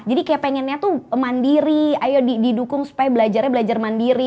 jadi kayak pengennya tuh mandiri ayo didukung supaya belajarnya belajar mandiri